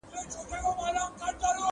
• نامردان د مړو لاري وهي.